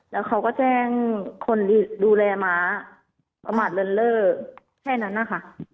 แล้วเขาก็แจ้งคนดูแลม้าประมาทเลินเล่อแค่นั้นนะคะ